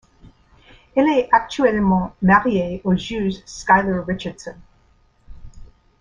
Elle est actuellement mariée au juge Schuyler Richardson.